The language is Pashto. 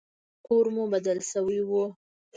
کور مو بدل سوى و.